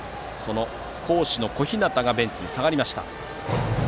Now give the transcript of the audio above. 好守の小日向がベンチに下がりました。